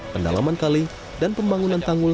pendalaman kali dan pembangunan tanggul